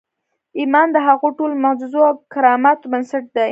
ايمان د هغو ټولو معجزو او کراماتو بنسټ دی.